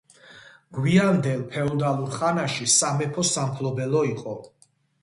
გვიანდელ ფეოდალურ ხანაში სამეფო სამფლობელო იყო.